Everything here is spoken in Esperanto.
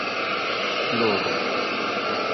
ploru